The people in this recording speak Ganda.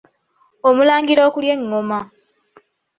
Omulangira okulya engoma.